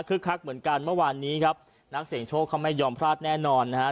คักเหมือนกันเมื่อวานนี้ครับนักเสียงโชคเขาไม่ยอมพลาดแน่นอนนะฮะ